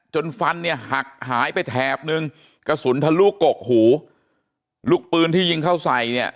จนฟันเนี่ยหักหายไปแถบนึงกระสุนทะลุกกหูลูกปืนที่ยิงเข้าใส่เนี่ย